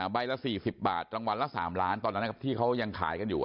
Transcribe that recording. ใบละ๔๐บาทรางวัลละ๓ล้านตอนนั้นนะครับที่เขายังขายกันอยู่